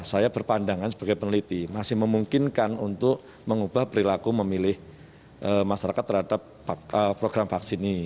saya berpandangan sebagai peneliti masih memungkinkan untuk mengubah perilaku memilih masyarakat terhadap program vaksin ini